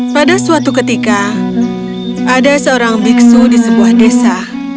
pada suatu ketika ada seorang biksu di sebuah desa